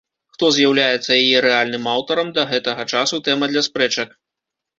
Хто з'яўляецца яе рэальным аўтарам, да гэтага часу тэма для спрэчак.